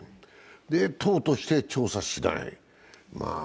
で、党として調査しない。